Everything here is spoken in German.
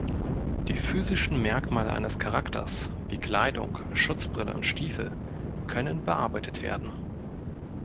Die physischen Merkmale eines Charakters, wie Kleidung, Schutzbrille und Stiefel, können bearbeitet werden.